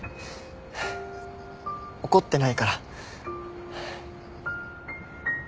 ハァ怒ってないから。